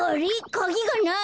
カギがない！